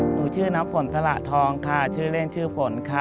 หนูชื่อน้ำฝนสละทองค่ะชื่อเล่นชื่อฝนค่ะ